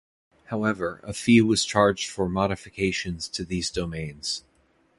However, a fee was charged for modifications to these domains.